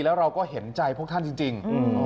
แล้วเราก็เห็นใจพวกท่านจริง